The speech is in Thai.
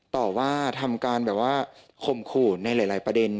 ต่อว่าทำการแบบว่าข่มขู่ในหลายประเด็น